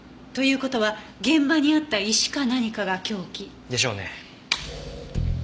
という事は現場にあった石か何かが凶器。でしょうね。